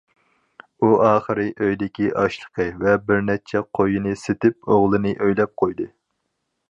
ئۇ ئاخىر ئۆيىدىكى ئاشلىقى ۋە بىرنەچچە قويىنى سېتىپ، ئوغلىنى ئۆيلەپ قويدى.